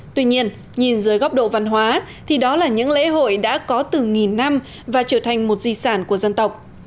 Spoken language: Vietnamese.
tuy nhiên nhìn dưới góc độ văn hóa thì đó là những lễ hội đã có từ nghìn năm và trở thành một di sản của dân tộc